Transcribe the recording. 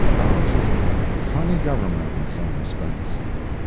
Ours is a funny Government in some respects.